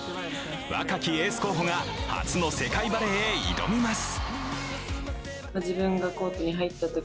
若きエース候補が初の世界バレーへ挑みます。